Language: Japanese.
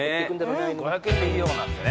「５００円でいいよ」なんてね。